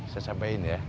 saya sampaikan ya